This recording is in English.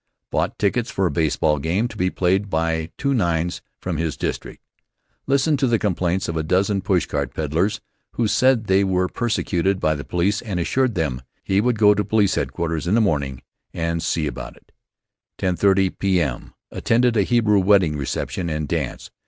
Bought tickets for a baseball game to be played by two nines from his district. Listened to the complaints of a dozen pushcart peddlers who said they were persecuted by the police and assured them he would go to Police Headquarter: in the morning and see about it. 10:30 P.M.: Attended a Hebrew wedding reception and dance.